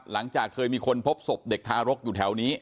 หลังจากเคยมีคนพบศพเด็กทารกอยู่แถวนี้